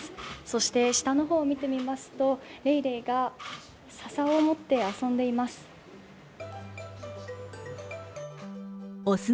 そして下の方を見てみますとレイレイが笹を持って遊んでいます。